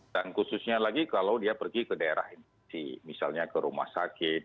dan khususnya lagi kalau dia pergi ke daerah misalnya ke rumah sakit